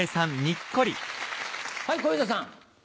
はい小遊三さん。